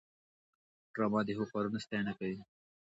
ډرامه د ښو کارونو ستاینه کوي